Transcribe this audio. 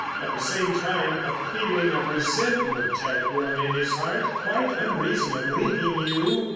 At the same time a feeling of resentment had grown in his heart, quite unreasonably he knew.